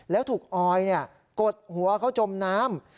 แล้วถูกออยกดหัวเขาจมน้ำ